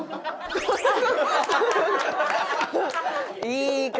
いい顔！